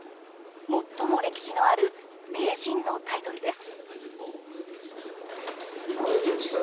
最も歴史のある名人のタイトルです。